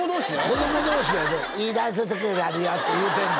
子供同士やで「いいダンススクールあるよ」って言うてんの？